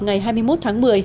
ngày hai mươi một tháng